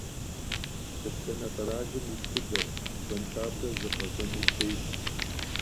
Дэтхэнэ къэралым и тхыдэр и щэнхабзэр зэбгъэщӏэну ухуейт?